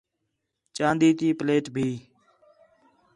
چاندی تی پلیٹ بھی